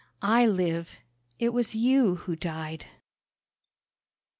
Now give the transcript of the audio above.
I live, it was You who died."